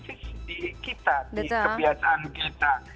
karena eksis di kita di kebiasaan kita